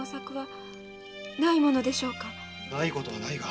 ないことはないが。